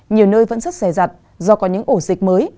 nhiều nơi vẫn rất xe giặt do có những ổ dịch mới